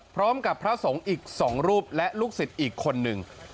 พร้อมกับพระสงฆ์อีก๒รูปและลูกศิษย์อีกคนหนึ่ง